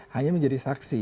hanya menjadi saksi